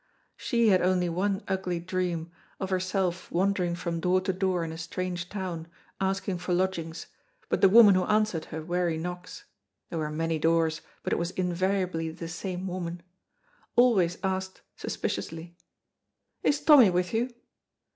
She had only one ugly dream, of herself wandering from door to door in a strange town, asking for lodgings, but the woman who answered her weary knocks there were many doors but it was invariably the same woman always asked, suspiciously, "Is Tommy with you?"